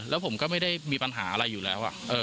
แล้วผมก็ไม่ได้มีปัญหาอะไรอยู่แล้ว